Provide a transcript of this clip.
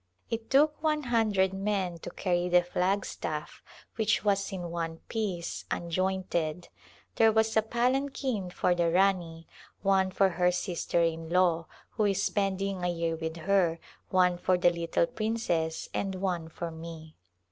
It took one hundred men to carry the flagstaff, which was in one piece, unjointed. There was a palanquin for the Rani, one for her sister in law, who is spend ing a year with her, one for the little princess and one for me.